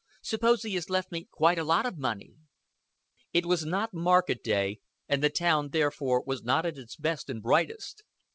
Suppose he has left me quite a lot of money." It was not market day, and the town therefore was not at its best and brightest.